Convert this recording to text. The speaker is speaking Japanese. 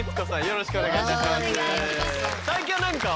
よろしくお願いします。